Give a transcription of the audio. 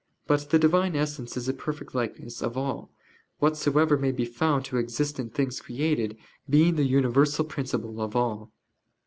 But the Divine Essence is a perfect likeness of all, whatsoever may be found to exist in things created, being the universal principle of all.